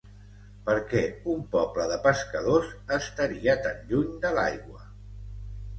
Per què un poble de pescadors estaria tan lluny de l'aigua?